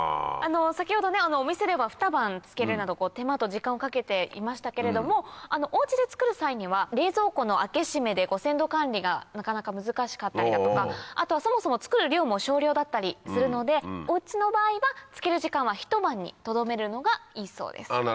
先ほどお店では２晩漬けるなど手間と時間をかけていましたけれどもお家で作る際には冷蔵庫の開け閉めで鮮度管理がなかなか難しかったりだとかあとはそもそも作る量も少量だったりするのでお家の場合は漬ける時間はひと晩にとどめるのがいいそうです。